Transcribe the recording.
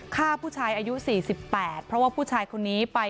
ฆ่าผู้ชายอายุ๔๘เพราะว่าผู้ชายคนนี้ไป